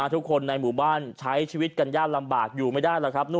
ทุกคนในหมู่บ้านใช้ชีวิตกันยากลำบากอยู่ไม่ได้หรอกครับ